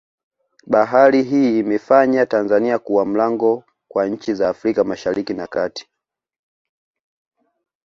Bahari hii imeifanya Tanzania kuwa mlango kwa nchi za Afrika mashariki na kati